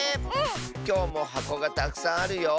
きょうもはこがたくさんあるよ。